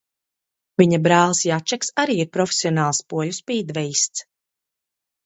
Viņa brālis Jačeks arī ir profesionāls poļu spīdvejists.